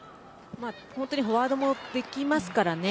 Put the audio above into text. フォワードもできますからね。